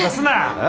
え？